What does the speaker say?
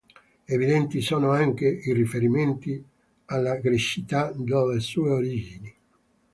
Evidenti sono anche i riferimenti alla grecità delle sue origini.